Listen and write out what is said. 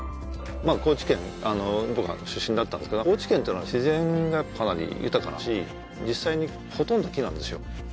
高知県僕は出身だったんですが高知県っていうのは自然がかなり豊かだし実際にほとんど木なんですよ